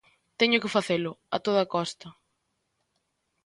Teño que facelo, a toda costa.